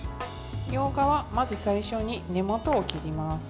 みょうがはまず最初に根元を切ります。